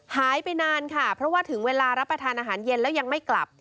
หายไปนานค่ะเพราะว่าถึงเวลารับประทานอาหารเย็นแล้วยังไม่กลับ